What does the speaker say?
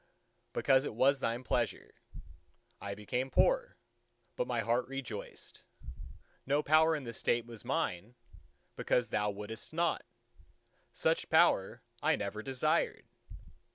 Because it was Thy pleasure, I became poor: but my heart rejoiced. No power in the State was mine, because Thou wouldst not: such power I never desired!